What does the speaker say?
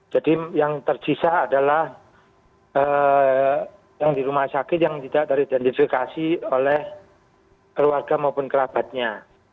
jadi yang tercisa adalah yang di rumah sakit yang tidak teridentifikasi oleh keluarga maupun kerabatnya